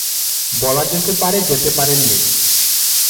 বলা যেতে পারে যেতে পারেননি।